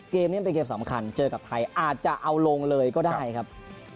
เกมนี้เป็นเกมสำคัญเจอกับไทยอาจจะเอาลงเลยก็ได้ครับ